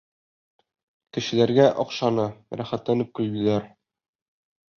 Кешеләргә оҡшаны, рәхәтләнеп көлдөләр.